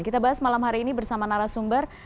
kita bahas malam hari ini bersama nara sumber